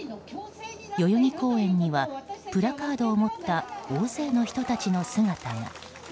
代々木公園にはプラカードを持った大勢の人たちの姿が。